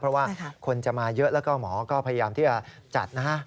เพราะว่าคนจะมาเยอะแล้วก็หมอก็พยายามที่จะจัดนะฮะ